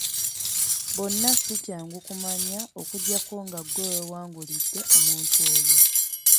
Bonna si kyangu kumanya okuggyako nga ggwe weewangulidde omuntu oyo.